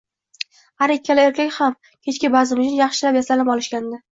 Har ikkala erkak ham kechki bazm uchun yaxshilab yasanib olishgandi